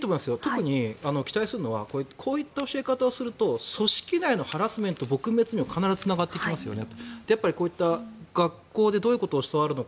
特に期待するのはこういった教え方をすると組織内のハラスメント撲滅にも必ずつながってきますよね。